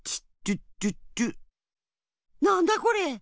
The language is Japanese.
なんだこれ！